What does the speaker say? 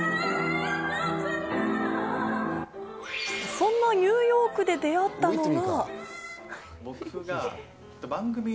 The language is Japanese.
そんなニューヨークで出会ったのが。